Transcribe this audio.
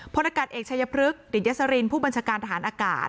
พลอากาศเอกชายพฤกษิตยสรินผู้บัญชาการทหารอากาศ